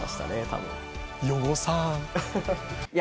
多分・